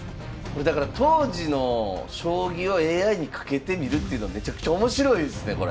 これだから当時の将棋をＡＩにかけてみるっていうのめちゃくちゃ面白いですねこれ。